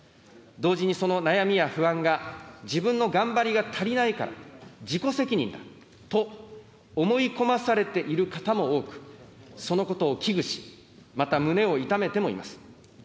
同時にその悩みや不安が、自分の頑張りが足りないから、自己責任だと思い込まされている方も多く、そのことを危惧し、また胸を痛めてもいます。